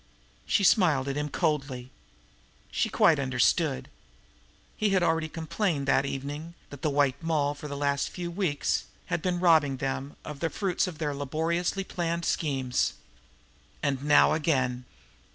She smiled at him coldly. She quite understood! He had already complained that evening that the White Moll for the last few weeks had been robbing them of the fruits of their laboriously planned schemes. And now again!